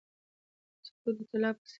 سکوت د طلا په څیر دی.